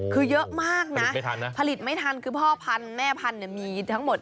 คือเยอะมากนะผลิตไม่ทันคือพ่อพันธุ์แม่พันธุ์มีทั้งหมด